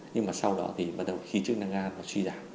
nhưng mà sau đó thì bắt đầu khi chức năng gan nó truy giảm